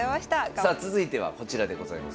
さあ続いてはこちらでございます。